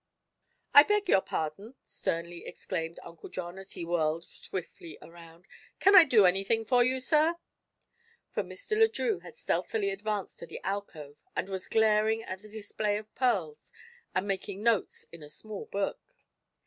"I beg your pardon!" sternly exclaimed Uncle John, as he whirled swiftly around. "Can I do anything for you, sir?" For Mr. Le Drieux had stealthily advanced to the alcove and was glaring at the display of pearls and making notes in a small book.